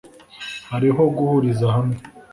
hariho guhuriza hamwe